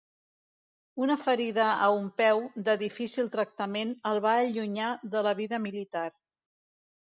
Una ferida a un peu, de difícil tractament, el va allunyar de la vida militar.